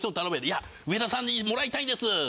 「いや上田さんにもらいたいです」